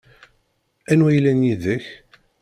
Anwa i yellan yid-k?